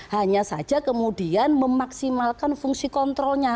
hanya saja kemudian memaksimalkan fungsi kontrolnya